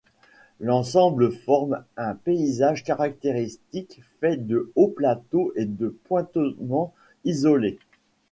L'ensemble forme un paysage caractéristique fait de hauts plateaux et de pointements isolés.